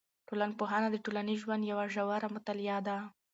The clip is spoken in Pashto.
ټولنپوهنه د ټولنیز ژوند یوه ژوره مطالعه ده.